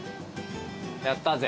やったぜ。